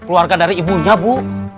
keluarga dari ibunya bu